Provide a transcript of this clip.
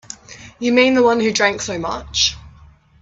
You mean the one who drank so much?